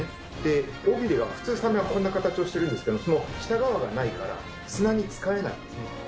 尾びれが普通サメはこんな形をしてるんですけど下側がないから砂につかえないんですね。